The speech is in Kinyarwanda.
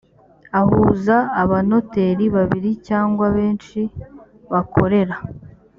ahuza abanoteri babiri cyangwa benshi bakorera